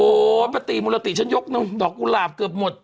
โอ้ปฏิมุรติฉันยกดอกกุหลาบเกือบหมด